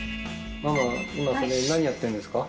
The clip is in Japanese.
ママ今それ何やってるんですか？